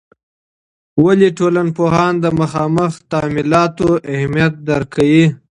ولي ټولنپوهان د مخامخ تعاملاتو اهمیت درک کوي؟